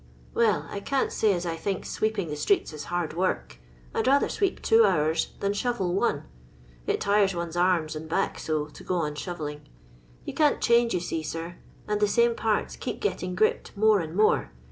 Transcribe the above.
" Well, I can't say as I thinks sweeping the streets is hard work. I 'd rather sweep two hours than shovel one. It tires one 's arms and back so, to go on shovelling. You can't change, you see, sir, and the same parts keeps gettbg gripped more and more.